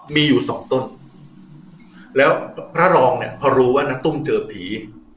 มีอยู่สองต้นแล้วพระรองเนี่ยพอรู้ว่าณตุ้มเจอผี